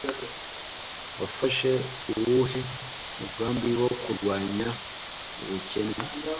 Wafashe uwuhe mugambi wo kurwanya ubukene?